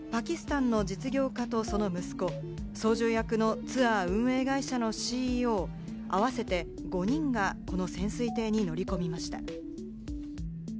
その他、フランスの探検家、パキスタンの実業家と、その息子、操縦役のツアー運営会社のＣＥＯ、合わせて５人がこの潜水艇に乗り込みました。